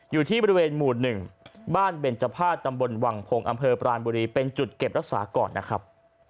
อยู่ที่บริเวณหมู่๑บ้านเบนจภาษตำบลวังพงศ์อำเภอปรานบุรีเป็นจุดเก็บรักษาก่อนนะครับ